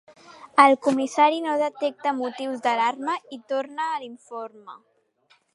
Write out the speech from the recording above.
El comissari no detecta motius d'alarma i torna a l'informe.